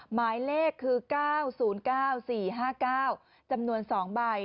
หมายเลขคือ๙๐๙๔๕๙จำนวน๒ใบ